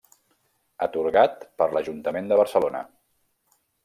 Atorgat per l'Ajuntament de Barcelona.